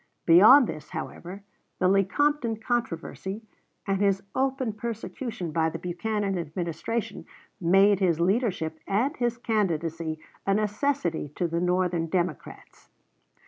Beyond this, however, the Lecompton controversy, and his open persecution by the Buchanan Administration, made his leadership and his candidacy a necessity to the Northern Democrats.